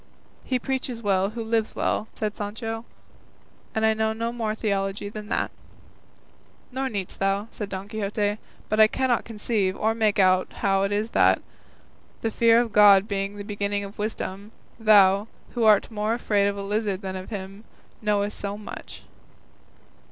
"He preaches well who lives well," said Sancho, "and I know no more theology than that." "Nor needst thou," said Don Quixote, "but I cannot conceive or make out how it is that, the fear of God being the beginning of wisdom, thou, who art more afraid of a lizard than of him, knowest so much."